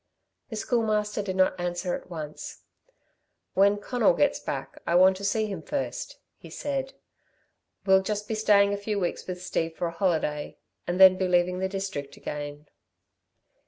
The Schoolmaster did not answer at once. "When Conal gets back. I want to see him first," he said. "We'll just be staying a few weeks with Steve for a holiday and then be leaving the district again."